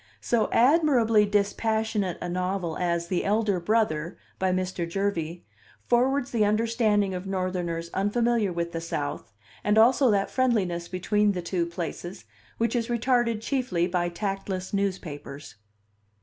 So admirably dispassionate a novel as The Elder Brother, by Mr. Jervey, forwards the understanding of Northerners unfamiliar with the South, and also that friendliness between the two places, which is retarded chiefly by tactless newspapers.